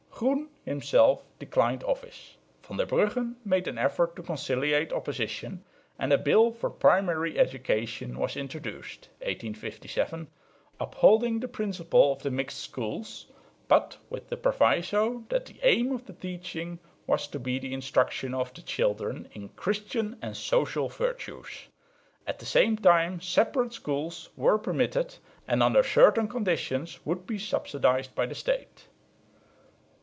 Groen himself declined office, Van der Brugghen made an effort to conciliate opposition; and a bill for primary education was introduced (1857) upholding the principle of the "mixed" schools, but with the proviso that the aim of the teaching was to be the instruction of the children "in Christian and social virtues"; at the same time "separate" schools were permitted and under certain conditions would be subsidised by the State.